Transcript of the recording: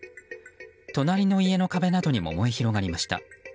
隣の家の壁などにも燃え広がりました。